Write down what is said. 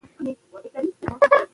افغان موسیقي تاریخي ريښه لري.